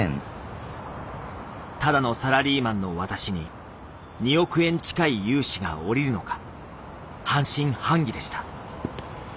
ただのサラリーマンの私に２億円近い融資がおりるのか半信半疑でした。